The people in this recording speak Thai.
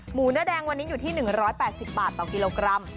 เนื้อแดงวันนี้อยู่ที่๑๘๐บาทต่อกิโลกรัม